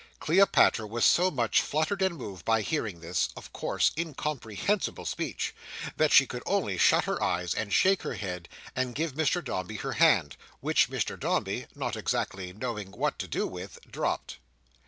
Cleopatra was so much fluttered and moved, by hearing this, of course, incomprehensible speech, that she could only shut her eyes, and shake her head, and give Mr Dombey her hand; which Mr Dombey, not exactly knowing what to do with, dropped.